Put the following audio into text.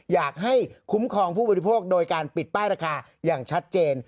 อยากให้คุ้มครองผู้บริโภคโดยการปิดป้ายราคาอย่างชัดเจน